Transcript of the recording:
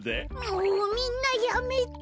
もうみんなやめて！